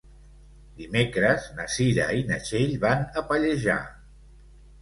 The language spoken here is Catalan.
Dimecres na Cira i na Txell van a Pallejà.